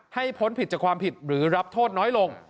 พ้นผิดจากความผิดหรือรับโทษน้อยลง